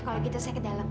kalau gitu saya ke dalam